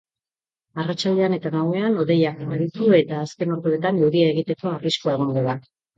Arratsaldean eta gauean hodeiak ugaritu eta azken orduetan euria egiteko arriskua egongo da.